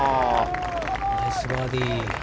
ナイスバーディー。